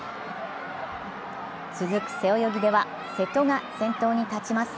続く背泳ぎでは瀬戸が先頭に立ちます。